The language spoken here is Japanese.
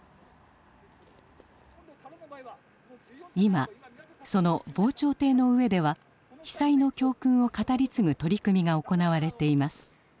今その防潮堤の上では被災の教訓を語り継ぐ取り組みが行われています。